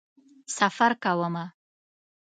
سفر کومه